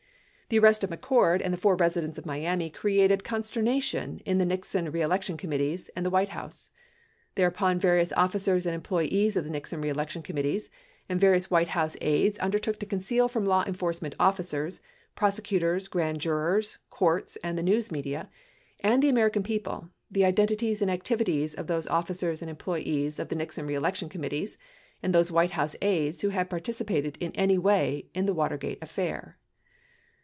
The arrest of McCord and the four residents of Miami created con sternation in the Nixon reelection committees and the White House. Thereupon, various officers and employees of the Nixon reelectiom 1100 committees and various White House aides undertook to conceal from law enforcement officers, prosecutors, grand jurors, courts, the news media, and the American people the identities and activities of those officers and employees of the Nixon reelection committees and those White House aides who had participated in any way in the Watergate affair.